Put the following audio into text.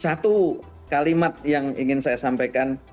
satu kalimat yang ingin saya sampaikan